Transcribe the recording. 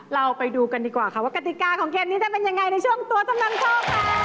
เราไปดูกันดีกว่าค่ะว่ากติกาของเกมนี้จะเป็นยังไงในช่วงตัวจำนำโชคค่ะ